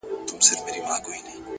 ستا د لپي په رڼو اوبو کي گراني ،